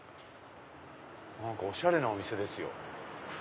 何かおしゃれなお店ですよ。